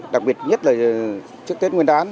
đặc biệt nhất là trước tết nguyên đán